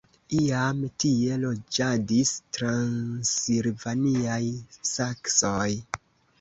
Iam tie loĝadis transilvaniaj saksoj.